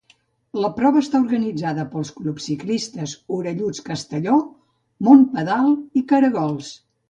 La prova està organitzada pels clubs ciclistes ‘Orelluts Castelló’, ‘Monpedal’ i ‘Karagols’.